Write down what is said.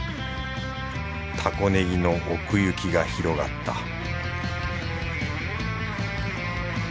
たこねぎの奥行きが広がった